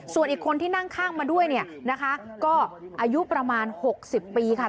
ส่วนอีกคนที่นั่งข้างมาด้วยเนี่ยนะคะก็อายุประมาณ๖๐ปีค่ะ